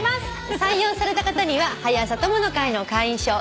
採用された方には「はや朝友の会」の会員証そして。